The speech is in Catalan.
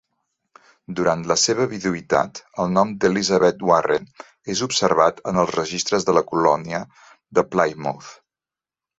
Durant la seva viduïtat, el nom d'Elizabeth Warren és observat en els registres de la Colònia de Plymouth.